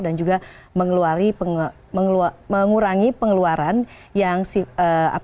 dan juga mengurangi pengeluaran yang apbn yang bersifat